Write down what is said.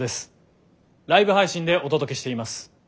ライブ配信でお届けしています。